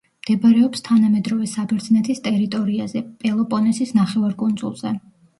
მდებარეობს თანამედროვე საბერძნეთის ტერიტორიაზე, პელოპონესის ნახევარკუნძულზე.